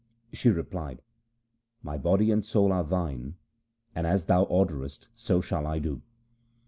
She replied, ' My body and soul are thine, and as thou orderest so shall I do.'